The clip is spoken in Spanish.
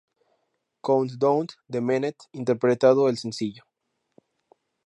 Countdown" de Mnet, interpretando el sencillo.